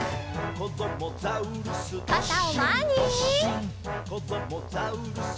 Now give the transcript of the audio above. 「こどもザウルス